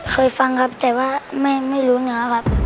เคยฟังครับแต่ว่าไม่รู้เนื้อครับ